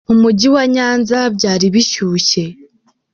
Mu mujyi wa Nyanza byari bishyushye.